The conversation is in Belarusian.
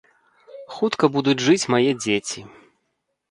Хутка будуць жыць мае дзеці.